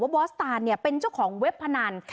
บอสตานเป็นเจ้าของเว็บพนัน